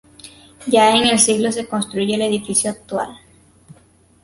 Ya en el siglo se construye el edificio actual.